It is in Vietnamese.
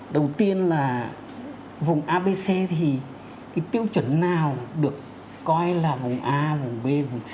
đầu tiên là vùng abc thì cái tiêu chuẩn nào được coi là vùng a vùng b vùng c